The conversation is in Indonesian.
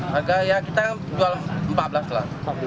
harga ya kita jual rp empat belas lah